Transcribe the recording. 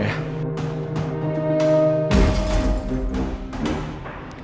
gue terpaksa terima ajakannya aldino